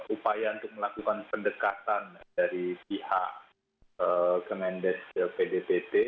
upaya untuk melakukan pendekatan dari pihak kementerian desa pdtt